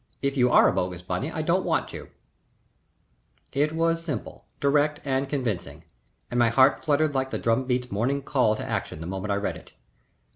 If you are a bogus Bunny I don't want you." It was simple, direct, and convincing, and my heart fluttered like the drum beat's morning call to action the moment I read it.